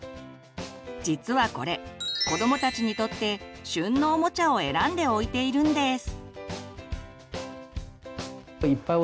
実はこれ子どもたちにとって「旬のおもちゃ」を選んで置いているんです。